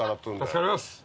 助かります。